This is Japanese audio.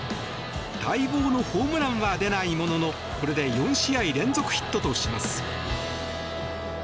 待望のホームランは出ないもののこれで４試合連続ヒットとします。